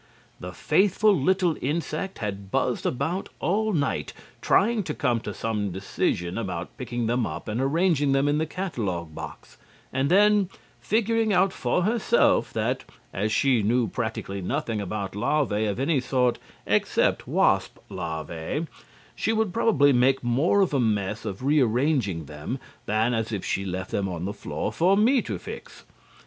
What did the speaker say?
The faithful little insect had buzzed about all night trying to come to some decision about picking them up and arranging them in the catalogue box, and then, figuring out for herself that, as she knew practically nothing about larvae of any sort except wasp larvae, she would probably make more of a mess of rearranging them than as if she left them on the floor for me to fix.